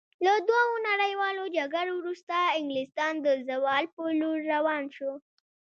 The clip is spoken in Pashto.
له دوو نړیوالو جګړو وروسته انګلستان د زوال په لور روان شو.